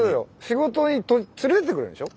仕事に連れていってくれるんでしょ？